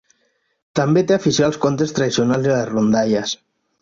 També té afició als contes tradicionals i les rondalles.